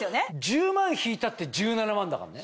１０万引いたって１７万だからね。